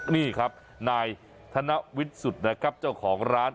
นี่ครับนายธนวิทย์สุดนะครับเจ้าของร้าน